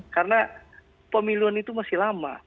karena pemiluan itu masih lama